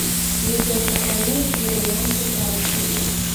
Людзям прапануюць варыянты працы.